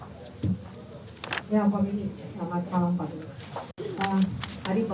ya pak benny selamat malam pak